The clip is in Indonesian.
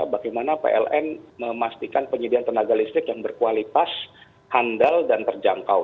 bagaimana pln memastikan penyediaan tenaga listrik yang berkualitas handal dan terjangkau